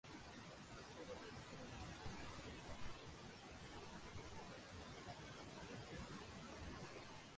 দলিল স্বাক্ষরের পরপরই কাশ্মীর সমস্যাকে কেন্দ্র করে ভারত ও পাকিস্তানের নিয়মিত বাহিনী সরাসরি যুদ্ধে জড়িয়ে পড়ে।